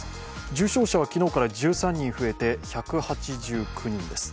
重症者は昨日から１３人増えて１８９人です。